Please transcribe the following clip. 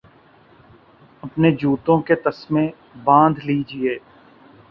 اپنے جوتوں کے تسمے باندھ لیجئے